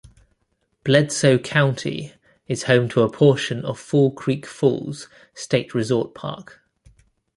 Bledsoe County is home to a portion of Fall Creek Falls State Resort Park.